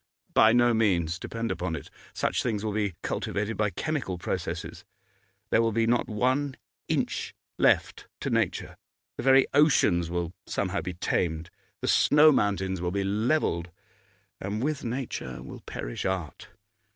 'By no means; depend upon it. Such things will be cultivated by chemical processes. There will not be one inch left to nature; the very oceans will somehow be tamed, the snow mountains will be levelled. And with nature will perish art.